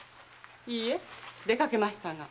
いいえ出かけましたが。